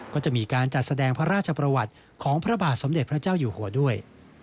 ก็จะมีการจัดแสดงพระราชประวัติของพระบาทสมเด็จพระเจ้าอยู่หัวด้วย